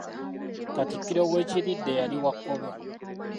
Katikkiro we Kiridde yali wa Kkobe.